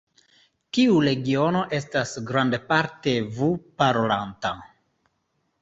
Tiu regiono estas grandparte vu-parolanta.